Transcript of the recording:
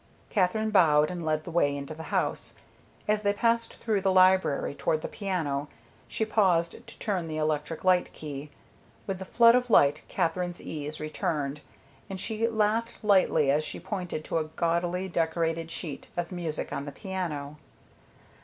Katherine bowed and led the way into the house. As they passed through the library toward the piano she paused to turn the electric light key. With the flood of light Katherine's ease returned, and she laughed lightly as she pointed to a gaudily decorated sheet of music on the piano.